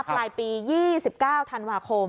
ปลายปี๒๙ธันวาคม